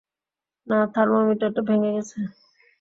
না, থার্মোমিটারটা ভেঙে গেছে!